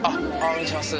お願いします。